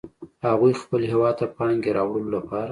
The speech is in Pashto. هغوی خپل هیواد ته د پانګې راوړلو لپاره